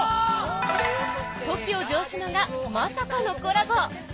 ・ＴＯＫＩＯ・城島がまさかのコラボ